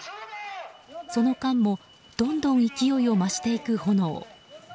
その間もどんどん勢いを増していく炎。